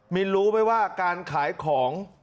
นรู้ไหมว่าการขายของ